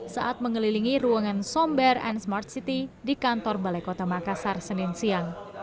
saat mengelilingi ruangan somber and smart city di kantor balai kota makassar senin siang